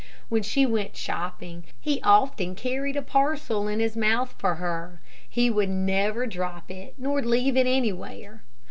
When she went shopping, he often carried a parcel in his mouth for her. He would never drop it nor leave it anywhere.